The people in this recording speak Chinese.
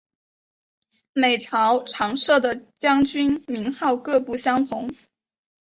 每朝常设的将军名号各不相同。